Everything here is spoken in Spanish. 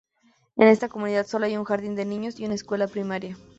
En esta comunidad sólo hay un jardín de niños y una escuela primaria.